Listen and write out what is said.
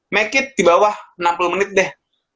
make it di bawah enam puluh menit deh